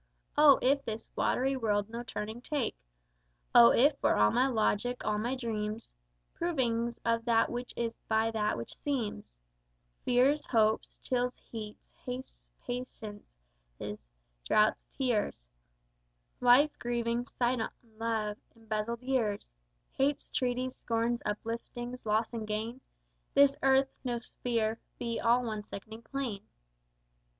_ Oh, if this watery world no turning take! Oh, if for all my logic, all my dreams, Provings of that which is by that which seems, Fears, hopes, chills, heats, hastes, patiences, droughts, tears, Wife grievings, slights on love, embezzled years, Hates, treaties, scorns, upliftings, loss and gain, This earth, no sphere, be all one sickening plane!